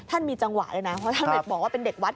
มีจังหวะเลยนะเพราะท่านเด็กบอกว่าเป็นเด็กวัด